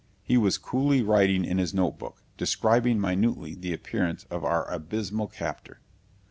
He was coolly writing in his notebook, describing minutely the appearance of our abysmal captor.